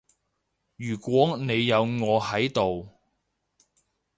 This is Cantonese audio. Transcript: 如果你有我喺度